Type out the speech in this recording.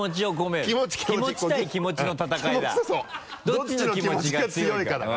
どっちの気持ちが強いかだから。